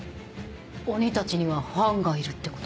鬼たちにはファンがいるってこと？